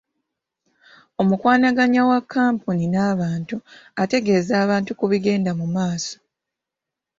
Omukwanaganya wa kkampuni n'abantu ategeeza abantu ku bigenda mu maaso.